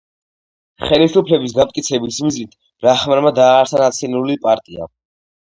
ხელისუფლების განმტკიცების მიზნით რაჰმანმა დააარსა ნაციონალური პარტია.